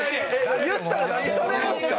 言ったら何されるんですか？